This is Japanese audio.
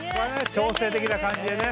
調整的な感じでね。